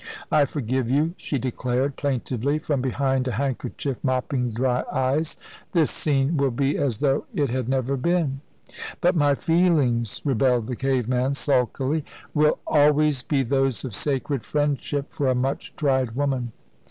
"I forgive you," she declared, plaintively, from behind a handkerchief mopping dry eyes; "this scene will be as though it had never been." "But my feelings," rebelled the cave man, sulkily. "Will always be those of sacred friendship for a much tried woman."